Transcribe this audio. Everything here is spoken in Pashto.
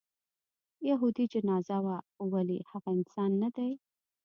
یهودي جنازه وه ولې هغه انسان نه دی.